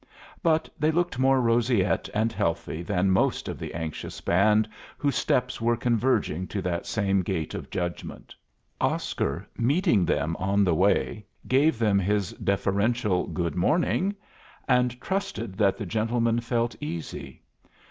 But they looked more roseate and healthy than most of the anxious band whose steps were converging to that same gate of judgment. Oscar, meeting them on the way, gave them his deferential "Good morning," and trusted that the gentlemen felt easy.